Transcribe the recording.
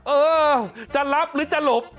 เออจะรับหรือจะหลบ